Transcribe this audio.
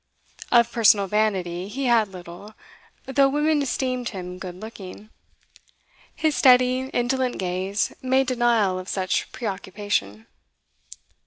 Of personal vanity he had little, though women esteemed him good looking; his steady, indolent gaze made denial of such preoccupation.